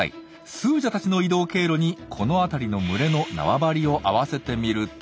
スージャたちの移動経路にこの辺りの群れの縄張りを合わせてみると。